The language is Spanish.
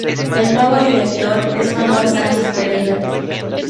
El nuevo director es Manuel Sánchez Pereira.